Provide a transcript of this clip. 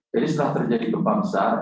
jadi setelah terjadi gempa besar